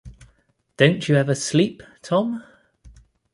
Don't you ever sleep, Tom?